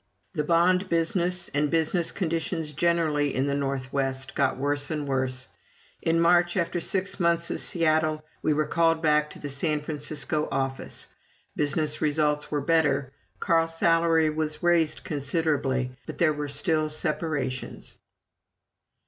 The bond business, and business conditions generally in the Northwest, got worse and worse. In March, after six months of Seattle, we were called back to the San Francisco office. Business results were better, Carl's salary was raised considerably, but there were still separations.